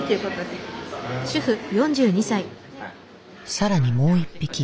更にもう一匹。